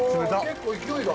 結構勢いが。